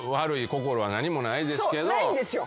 そうないんですよ。